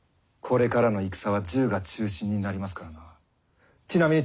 これからの戦は銃が中心になりますからな。